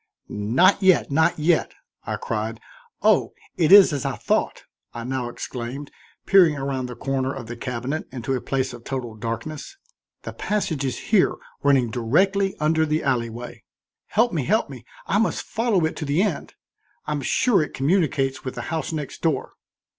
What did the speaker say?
"Not yet, not yet," I cried. "Oh! it is as I thought," I now exclaimed, peering around the corner of the cabinet into a place of total darkness. "The passage is here, running directly under the alley way. Help me, help me, I must follow it to the end. I'm sure it communicates with the house next door."